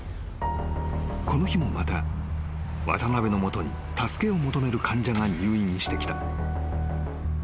［この日もまた渡邊の元に助けを求める患者が入院してきた］